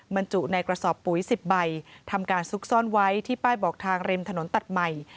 บรรจุในกระสอบปุ๋ย๑๐ใบทำการซุกซ่อนไว้ที่ป้ายบอกทางริมถนนตัดใหม่